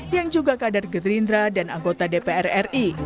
yang juga kader gerindra dan anggota dpr ri